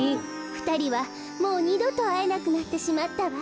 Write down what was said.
ふたりはもうにどとあえなくなってしまったわ。